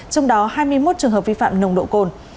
trong đó hai mươi một trường hợp vi phạm nồng độ cồn